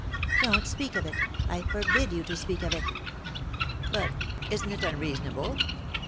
" Don't speak of it 1 I forbid you to speak of it I" "But — isn't it unreasonable?